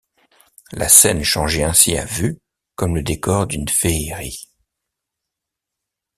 La scène changeait ainsi à vue comme le décor d’une féerie!